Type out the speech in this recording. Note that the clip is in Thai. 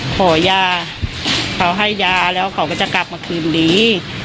ขอยาเขาให้ยาแล้วเขาก็จะกลับมาคืนดี